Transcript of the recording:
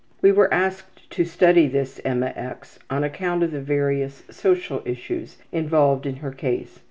We were asked to study this Emma X. on account of the various social issues involved in her case.